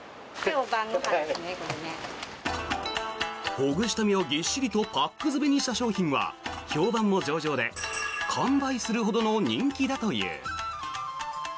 ほぐした身を、ぎっしりとパック詰めにした商品は評判も上々で完売するほどの人気だという。